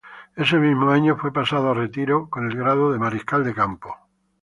Ese mismo año fue pasado a retiro con el grado de mariscal de campo.